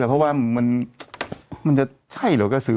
เพราะว่ามันจะใช่เหรอกระสือ